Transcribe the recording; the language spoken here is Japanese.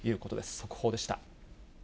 速報でした。